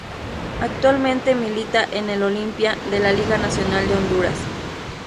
Actualmente milita en el Olimpia de la Liga Nacional de Honduras.